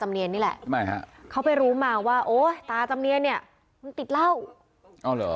มันเรียกว่าตาจำเนียนนี่แหละ